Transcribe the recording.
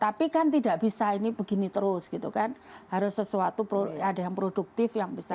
tapi kan tidak bisa ini begini terus gitu kan harus sesuatu ada yang produktif yang bisa